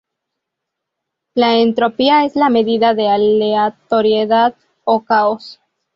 La entropía es la medida de aleatoriedad o caos.